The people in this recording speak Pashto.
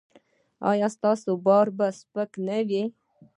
ایا ستاسو بار به سپک نه وي؟